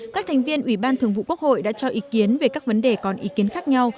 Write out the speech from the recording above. các thành viên ủy ban thường vụ quốc hội đã cho ý kiến về các vấn đề còn ý kiến khác nhau